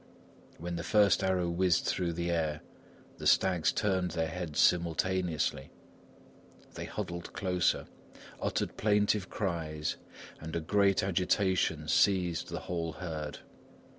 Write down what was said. When the first arrow whizzed through the air, the stags turned their heads simultaneously. They huddled closer, uttered plaintive cries, and a great agitation seized the whole herd.